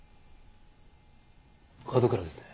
角倉ですね。